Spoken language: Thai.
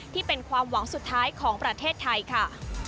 ที่เป็นความหวังสุดท้ายของประเทศไทยค่ะ